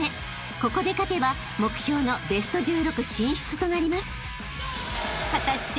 ［ここで勝てば目標のベスト１６進出となります］